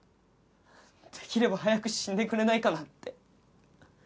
できれば早く死んでくれないかなって。